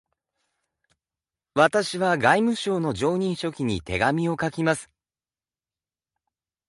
私は外務省の常任書記に手紙を書きます。